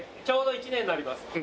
ちょうど１年になります。